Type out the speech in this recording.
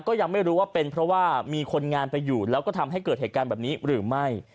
ก็ยังไม่รู้ว่าเป็นเพราะว่ามีคนงานไปอยู่แล้วก็ทำให้เกิดเหตุการณ์แบบนี้หรือไม่